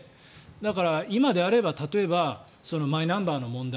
だから今であれば例えばマイナンバーの問題